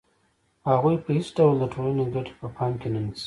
هغوی په هېڅ ډول د ټولنې ګټې په پام کې نه نیسي